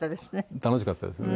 楽しかったですね。